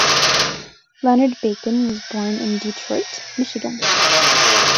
Leonard Bacon was born in Detroit, Michigan.